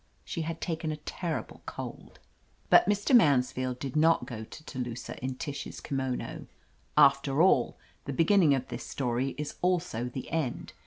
She had taken a terrible cold. But Mr. Mansfield did not go to Telusah in Tish's kimono. After all, the beginning of this story is also the end.